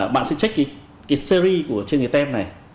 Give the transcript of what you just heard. bạn sẽ trách cái series của trên cái tem này